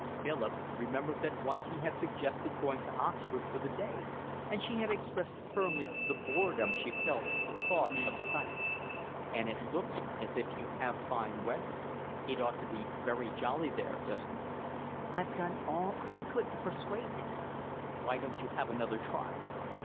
Philip remembered that once he had suggested going to Oxford for the day, and she had expressed firmly the boredom she felt at the thought of sights. "And it looks as if you'd have fine weather. It ought to be very jolly there just now." "I've done all I could to persuade him." "Why don't you have another try?"